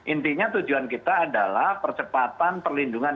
intinya tujuan kita adalah percepatan perlindungan